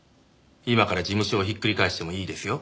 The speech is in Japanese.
今から事務所を引っくり返してもいいですよ。